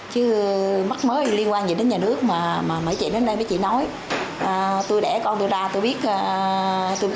chứ mắc mới liên quan gì đến nhà nước mà mấy chị đến đây mấy chị nói tôi đẻ con tôi ra tôi biết cách nuôi